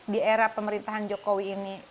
di era pemerintahan jokowi ini